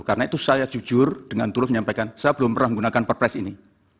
karena itu saya jujur dengan turut menyampaikan saya belum pernah menggunakan perpres ini